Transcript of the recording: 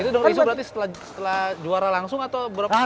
itu dong isu berarti setelah juara langsung atau berapa lama